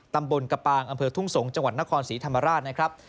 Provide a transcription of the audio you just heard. ตำบลกระปางอำเภอทุ่งสงศ์จังหวัดนครศรีธรรมราชนะครับ